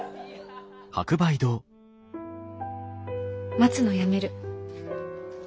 待つのやめる。